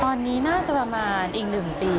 ตอนนี้น่าจะประมาณอีก๑ปี